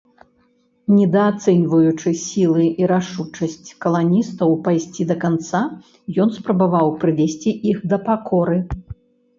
Недаацэньваючы сілы і рашучасць каланістаў пайсці да канца, ён спрабаваў прывесці іх да пакоры.